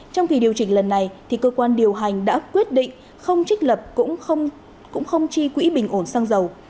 trong kỳ điều chỉnh lần này cơ quan điều hành đã quyết định không trích lập cũng không chi quỹ bình ổn xăng dầu